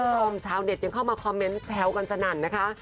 ชาวเน็ตยังเข้ามาคอมเมนต์แซวกันสนั่นนะคะ